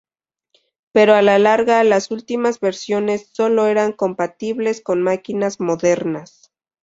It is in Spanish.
Pero a la larga, las últimas versiones sólo eran compatibles con máquinas modernas.